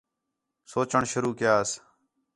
سوچوݨ شروع کَیاس